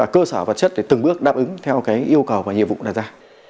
cơ sở vật chất từng bước đáp ứng theo yêu cầu và nhiệm vụ đạt ra